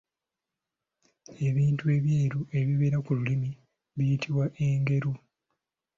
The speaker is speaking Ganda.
Ebintu ebyeru ebibeera ku lulimi biyitibwa engeru.